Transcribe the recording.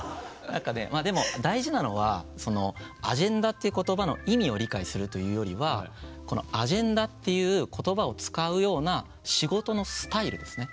まあでも大事なのはアジェンダっていう言葉の意味を理解するというよりはアジェンダっていう言葉を使うような仕事のスタイルですね